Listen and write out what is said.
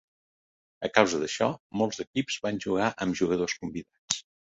A causa d'això, molts equips van jugar amb jugadors convidats.